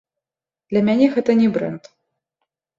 Для мяне гэта не брэнд.